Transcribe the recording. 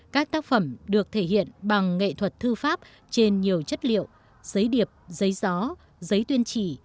các tác phẩm được thể hiện bằng nghệ thuật thư pháp trên nhiều chất liệu giấy điệp giấy gió giấy tuyên chỉ